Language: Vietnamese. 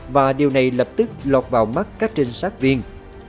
và điều này lập tức lọt vào mắt các trinh sát viên